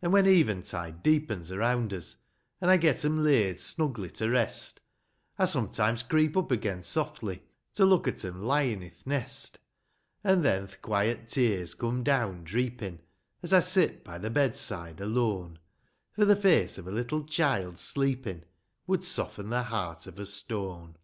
An' when eventide deepens around us, An' I get 'em laid snugly to rest, I sometimes creep up again softly, To look at 'em lyin' i'th nest : THESE BONNY BITS O' CHILDER. An' then the quiet tears come down dreepin' ; As I sit by the bedside alone ; For the face of a Httle child sleepin' Would soften the heart of a stone.